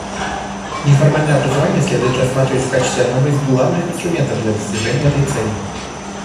Неформальное образование следует рассматривать в качестве одного из главных инструментов для достижения этой цели.